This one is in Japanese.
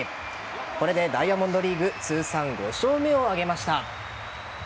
これでダイヤモンドリーグ通算５勝目を挙げました。